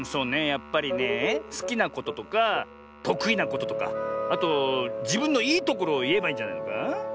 やっぱりねえすきなこととかとくいなこととかあとじぶんのいいところをいえばいいんじゃないのか？